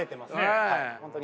はい本当に。